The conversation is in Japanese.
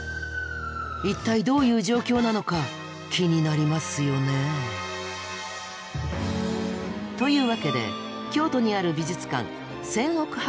一体どういう状況なのか気になりますよね？というわけで京都にある美術館泉屋博